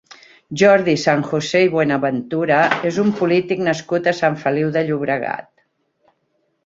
Jordi San José i Buenaventura és un polític nascut a Sant Feliu de Llobregat.